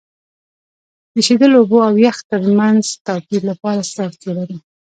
د ایشیدلو اوبو او یخ ترمنځ توپیر لپاره څه ته اړتیا لرو؟